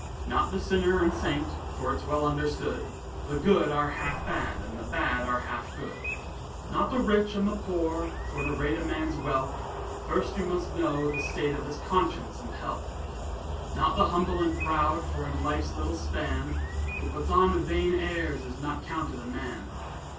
Not the sinner and saint, for it's well understood, The good are half bad, and the bad are half good. Not the rich and the poor, for to rate a man's wealth, You must first know the state of his conscience and health. Not the humble and proud, for in life's little span, Who puts on vain airs, is not counted a man.